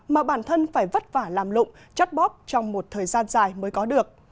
mà bản thân phải vất vả làm lụng chắt bóp trong một thời gian dài mới có được